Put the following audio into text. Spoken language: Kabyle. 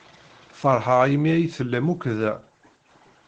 Feṛḥeɣ imi ay tellam akk da.